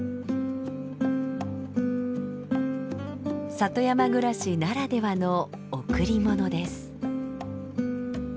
里山暮らしならではの贈り物です。